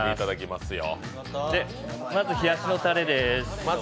まず、冷やしのタレです。